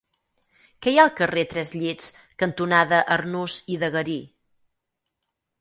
Què hi ha al carrer Tres Llits cantonada Arnús i de Garí?